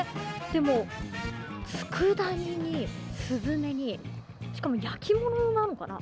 でも、つくだ煮に、すずめにしかも、焼き物なのかな？